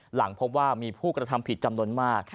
หลังพบว่ามีผู้กระทำผิดจำนวนมาก